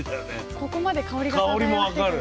ここまで香りが漂ってる。